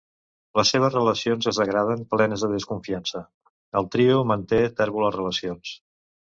Les seves relacions es degraden, plenes de desconfiança; el trio manté tèrboles relacions.